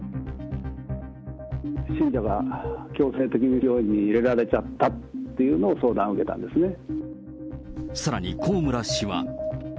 信者が強制的に病院に入れられちゃったっていうのを相談を受さらに、高村氏は。